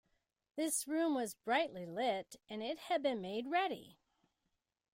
This room was brightly lit; and it had been made ready.